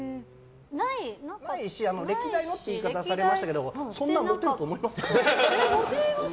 ないし歴代のって言われましたけどそんなモテると思います？